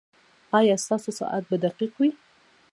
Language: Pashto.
ایا ستاسو ساعت به دقیق وي؟